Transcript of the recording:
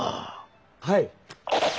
はい。